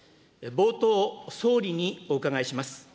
冒頭、総理にお伺いします。